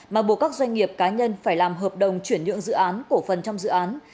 mà buộc các doanh nghiệp cá nhân phải làm hợp đồng chuyển nhượng dự án cổ phần trong dự án